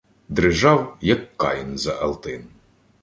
Дрижав, як Каїн, за алтин.